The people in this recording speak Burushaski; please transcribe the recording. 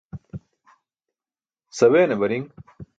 Saweene bariṅ